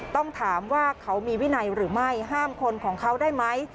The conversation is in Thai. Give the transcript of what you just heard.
ต้องถามว่าเขามีวินัยหรือไม่ห้ามคนของเขาได้ไหม